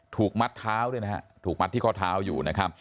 ถูกมัดเท้าด้วยนะฮะถูกมัดที่ข้อเท้าอยู่นะครับ